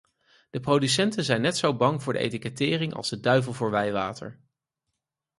De producenten zijn net zo bang voor de etikettering als de duivel voor wijwater.